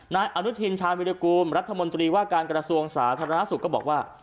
นายอนุทินชาววิทยากรุมรัฐมนตรีว่าการกรสูงสาขนาดน้ำสุขก็บอกว่า